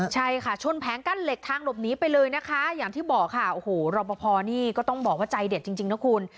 ใช่ค่ะชนแผงกั้นเหล็กทางหลบหนีไปเลยนะคะอย่างที่บอกค่ะโอ้โหรอปภนี่ก็ต้องบอกว่าใจเด็ดจริงนะคุณ